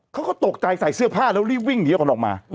เขาก็ตกใจใส่เสื้อผ้าแล้วรีบวิ่งหนีออกมา